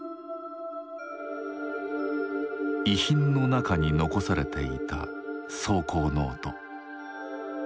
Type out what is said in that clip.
遺品の中に残されていた草稿ノート。